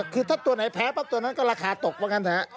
คือถ้าตัวไหนแพ้ปั๊บตัวนั้นก็ราคาตกว่างั้นเถอะ